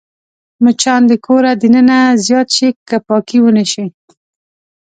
مچان د کور دننه زیات شي که پاکي ونه شي